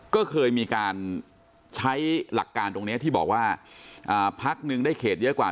ก็เคยมีการใช้หลักการตรงนี้ที่บอกว่าพักหนึ่งได้เขตเยอะกว่า